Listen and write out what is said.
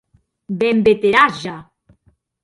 Be èm veterans ja!.